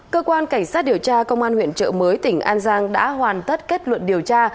cơ quan cảnh sát điều tra công an huyện trợ mới tỉnh an giang đã hoàn tất kết luận điều tra